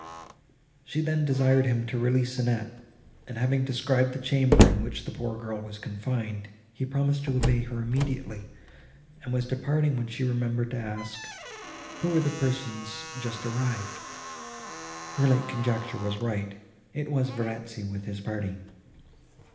She then desired him to release Annette, and, having described the chamber in which the poor girl was confined, he promised to obey her immediately, and was departing, when she remembered to ask who were the persons just arrived. Her late conjecture was right; it was Verezzi, with his party.